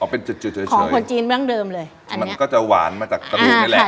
เป็นจืดจืดเฉยเฉยของคนจีนตั้งเดิมเลยอันเนี้ยมันก็จะหวานมาจากกระดูกไว้แหละ